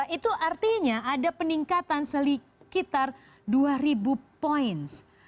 itu artinya ada peningkatan sekitar dua poin